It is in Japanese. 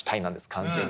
完全に。